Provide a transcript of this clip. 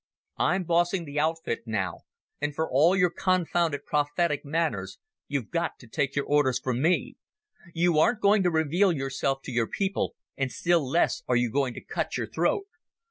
I'm bossing the outfit now, and for all your confounded prophetic manners, you've got to take your orders from me. You aren't going to reveal yourself to your people, and still less are you going to cut your throat.